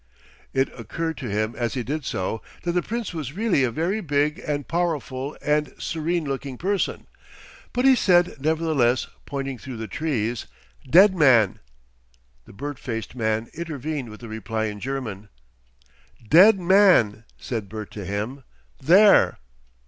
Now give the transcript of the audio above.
It occurred to him as he did so that the Prince was really a very big and powerful and serene looking person. But he said, nevertheless, pointing through the trees, "dead man!" The bird faced man intervened with a reply in German. "Dead man!" said Bert to him. "There."